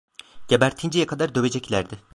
Gebertinceye kadar döveceklerdi.